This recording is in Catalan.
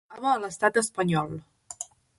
Es troba a l'Estat espanyol.